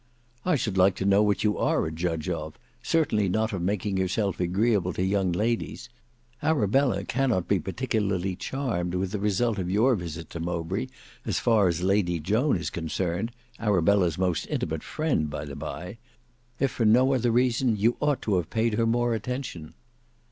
"I should like to know what you are a judge of; certainly not of making yourself agreeable to young ladies. Arabella cannot he particularly charmed with the result of your visit to Mowbray, as far as Lady Joan is concerned, Arabella's most intimate friend by the bye. If for no other reason, you ought to have paid her more attention."